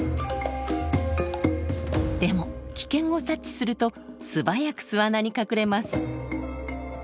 でも危険を察知すると素早く巣穴に隠れます。